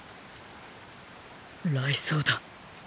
雷槍だ。